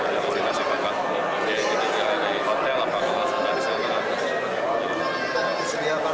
jadi kita jalan dari hotel apakah bisa dari sana ke atas